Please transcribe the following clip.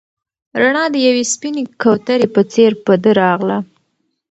رڼا د یوې سپینې کوترې په څېر په ده راغله.